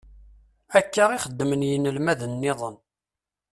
Akka i xeddmen yinelmaden-nniḍen.